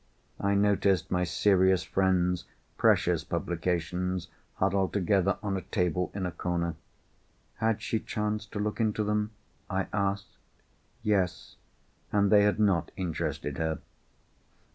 I noticed my serious friend's precious publications huddled together on a table in a corner. Had she chanced to look into them?—I asked. Yes—and they had not interested her.